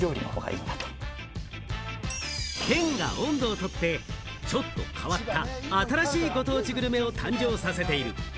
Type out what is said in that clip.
県が音頭をとって、ちょっと変わった新しいご当地グルメを誕生させている。